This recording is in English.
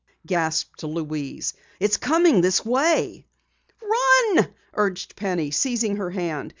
gasped Louise. "It's coming this way!" "Run!" urged Penny, seizing her hand.